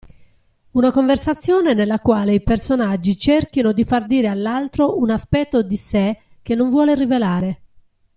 Una conversazione nella quale i personaggi cerchino di far dire all'altro un aspetto di sé che non vuole rivelare.